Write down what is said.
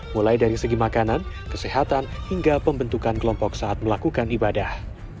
mulai dari segi makanan kesehatan hingga pembentukan kelompok saat melakukan ibadah